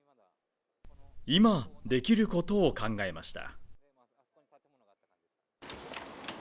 今できることを考えました